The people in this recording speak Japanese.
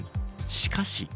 しかし。